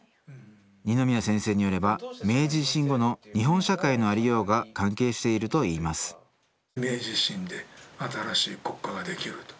二宮先生によれば明治維新後の日本社会のありようが関係しているといいます明治維新で新しい国家ができると。